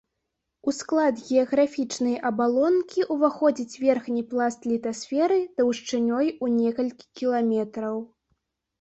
У склад геаграфічнай абалонкі ўваходзіць верхні пласт літасферы таўшчынёй у некалькі кіламетраў.